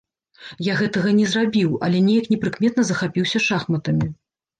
Я гэтага не зрабіў, але неяк непрыкметна захапіўся шахматамі.